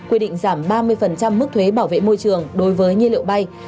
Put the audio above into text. quy định giảm ba mươi mức thuế bảo vệ môi trường đối với nhiên liệu bay